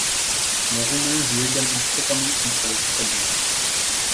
Les Roumains jouent également fréquemment contre les Italiens.